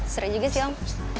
seret juga sih om